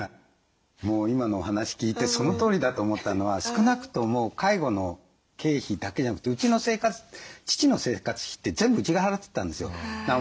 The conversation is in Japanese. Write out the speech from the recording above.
もう今のお話聞いてそのとおりだと思ったのは少なくとも介護の経費だけじゃなくて父の生活費って全部うちが払ってたんですよ。